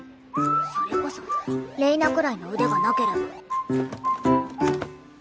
それこそれいなくらいの腕がなければ。